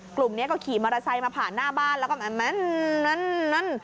กลุ่มนี้ก็ขี่มอเตอร์ไซค์มาผ่านหน้าบ้านแล้วก็แม่นนั่น